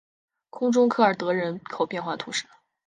空中科尔德人口变化图示